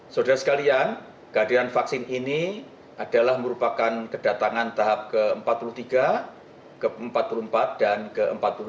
saudara sekalian kehadiran vaksin ini adalah merupakan kedatangan tahap ke empat puluh tiga ke empat puluh empat dan ke empat puluh dua